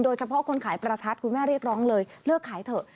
คนขายประทัดคุณแม่เรียกร้องเลยเลิกขายเถอะ